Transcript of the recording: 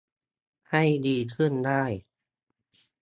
ให้ดีขึ้นได้